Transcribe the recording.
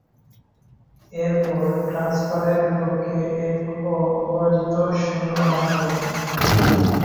এরপর ট্রান্সভালের বিপক্ষে এক ও অপরাজিত শূন্য রান করেন।